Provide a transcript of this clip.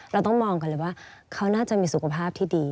เราต้องมองก่อนเลยว่าเขาน่าจะมีสุขภาพที่ดี